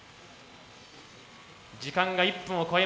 時間が１分を超えました。